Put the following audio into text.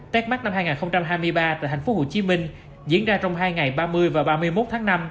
techsmart năm hai nghìn hai mươi ba tại thành phố hồ chí minh diễn ra trong hai ngày ba mươi và ba mươi một tháng năm